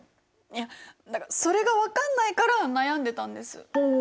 いやそれが分かんないから悩んでたんです。